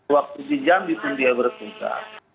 waktu di jambi pun dia berpusat